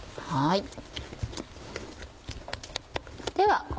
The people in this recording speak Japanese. はい。